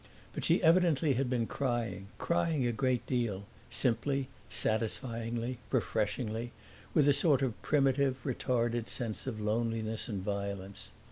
But she evidently had been crying, crying a great deal simply, satisfyingly, refreshingly, with a sort of primitive, retarded sense of loneliness and violence.